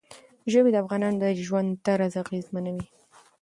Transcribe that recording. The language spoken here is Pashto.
ژبې د افغانانو د ژوند طرز اغېزمنوي.